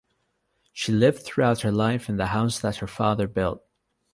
She lived throughout her life in the house that her father built.